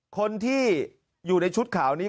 คนที่อยู่ในชุดข่าวนี้